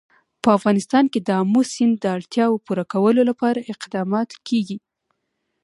په افغانستان کې د آمو سیند د اړتیاوو پوره کولو لپاره اقدامات کېږي.